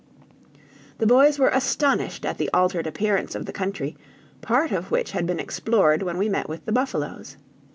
The boys were astonished at the altered appearance of the country, part of which had been explored when we met with the buffaloes.